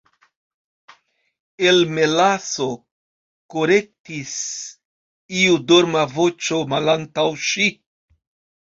"El melaso," korektis iu dorma voĉo malantaŭ ŝi.